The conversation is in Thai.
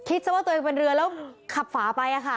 ซะว่าตัวเองเป็นเรือแล้วขับฝาไปค่ะ